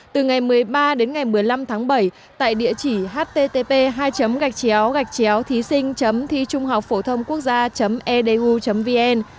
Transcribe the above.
từ ngày một mươi ba đến ngày một mươi năm tháng bảy tại địa chỉ http thising thichunghocphothongquocgia edu vn